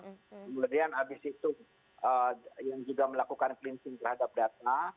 kemudian abis itu yang juga melakukan cleansing terhadap data